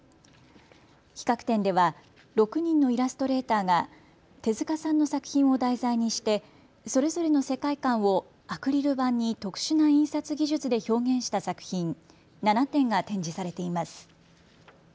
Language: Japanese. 企画展では６人のイラストレーターが手塚さんの作品を題材にしてそれぞれの世界観をアクリル板に特殊な印刷技術で表現した作品、７点が展示されています。